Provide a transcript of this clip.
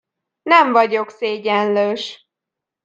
Nem vagyok szégyenlős.